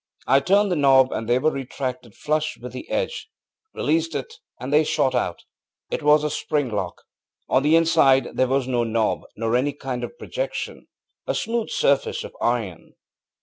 I turned the knob and they were retracted flush with the edge; released it, and they shot out. It was a spring lock. On the inside there was no knob, nor any kind of projectionŌĆöa smooth surface of iron.